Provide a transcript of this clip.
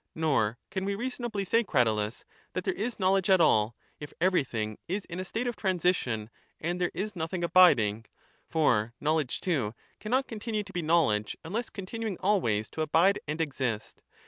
Nor can we reasonably say, Cratylus, that there is knowledge at all, if everything is in a state of transition and there is nothing abiding ; for knowledge too cannot continue to be knowledge unless continuing always to abide and exist.